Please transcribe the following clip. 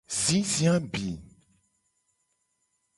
Zizi abi.